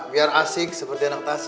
biar asik seperti anak tasi